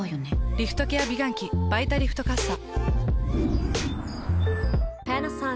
リフトケア美顔器「バイタリフトかっさ」。